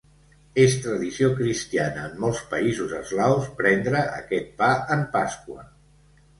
És tradició cristiana en molts països eslaus prendre aquest pa en Pasqua.